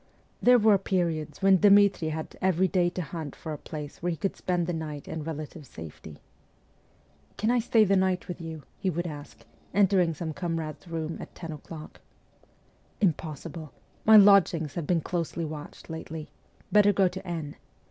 There were periods when Dmitri had every day to hunt for a place where he could spend the night in relative safety. ' Can I stay the night with you ?' he would ask, entering some comrade's room at ten o'clock. ST. PETERSBURG 123 ' Impossible ! my lodgings have been closely watched lately. Better go to N